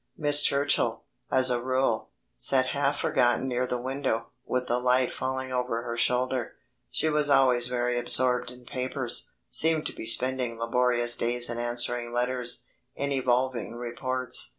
Miss Churchill, as a rule, sat half forgotten near the window, with the light falling over her shoulder. She was always very absorbed in papers; seemed to be spending laborious days in answering letters, in evolving reports.